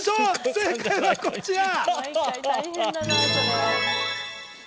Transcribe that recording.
正解はこちら。